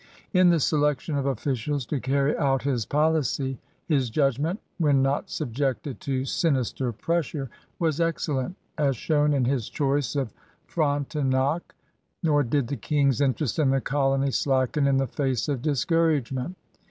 In the selection of officials to carry out his policy, his judgment, when not subjected to sinister pressure, was excellent, as shown in his choice of Frontenac. Nor did the King's interest in the colony slacken in the face of discouragement.